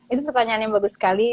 itu pertanyaan yang bagus sekali